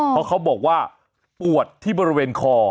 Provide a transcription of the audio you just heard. เพราะเขาบอกว่าปวดที่บริเวณคอ